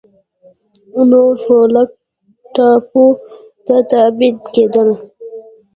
نورفولک ټاپو ته تبعید کېدل.